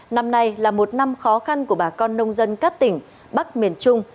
năm nay là một năm khó khăn của bà con nông dân các tỉnh bắc miền trung